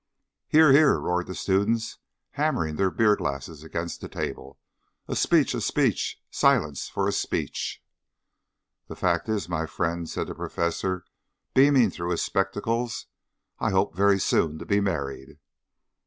"Hear! hear!" roared the students, hammering their beer glasses against the table; "a speech, a speech! silence for a speech!" "The fact is, my friends," said the Professor, beaming through his spectacles, "I hope very soon to be married."